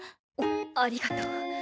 ありがとう。